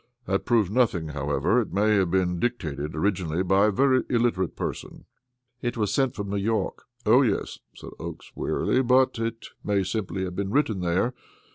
That proves nothing, however. It may have been dictated originally by a very illiterate person." "It was sent from New York." "Oh, yes," said Oakes wearily, "but it may simply have been written there.